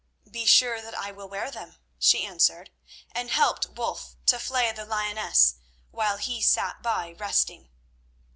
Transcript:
"Be sure that I will wear them," she answered, and helped Wulf to flay the lioness while he sat by resting.